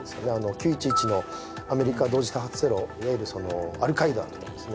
９．１１のアメリカ同時多発テロいわゆるアルカイダとかですね